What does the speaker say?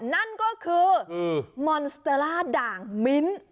นั่นก็คือมอนสเตอร่าด่างมิ้น